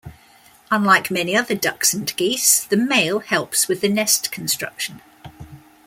Unlike many other ducks and geese, the male helps with the nest construction.